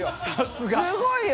すごいよ。